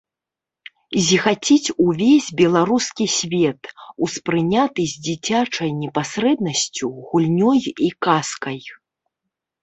Зіхаціць увесь беларускі свет, успрыняты з дзіцячай непасрэднасцю, гульнёй і казкай.